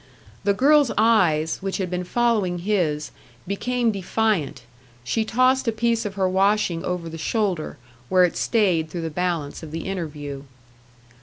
The girl's eyes, which had been following his, became defiant; she tossed a piece of her washing over the shoulder, where it stayed through the balance of the interview.